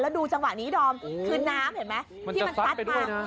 แล้วดูจังหวะนี้ดอมคืนน้ำเห็นไหมที่มันซัดไปด้วยนะ